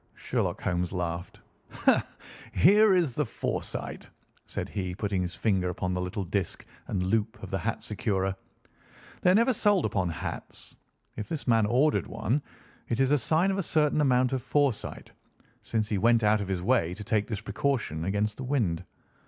Sherlock Holmes laughed. "Here is the foresight," said he putting his finger upon the little disc and loop of the hat securer. "They are never sold upon hats. If this man ordered one, it is a sign of a certain amount of foresight, since he went out of his way to take this precaution against the wind.